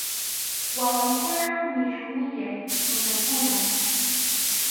Wawaykunan nisyu millay runakunam.